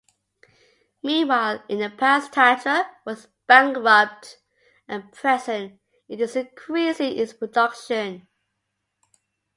Meanwhile in the past Tatra was bankrupt, at present, it is increasing its production.